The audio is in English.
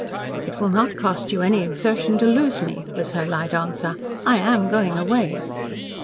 "It will not cost you any exertion to lose me," was her light answer. "I AM going away."